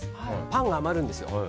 パンが余るんですよ。